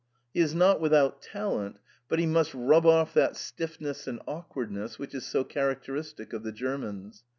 He is not without talent, but he must rub off that stiffness and awkwardness which is so characteristic of the Germans.